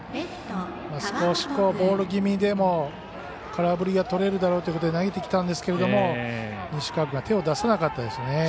少し、ボール気味でも空振りがとれるだろうということで投げてきたんですけれども西川君が手を出さなかったですね。